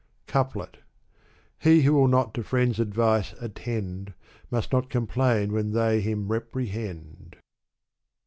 Couplet. He who will not to friends' advice attend. Must not complain when they him reprehend.